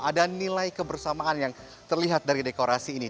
ada nilai kebersamaan yang terlihat dari dekorasi ini